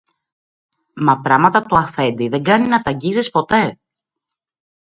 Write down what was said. Μα πράματα του αφέντη, δεν κάνει να τ' αγγίζεις ποτέ.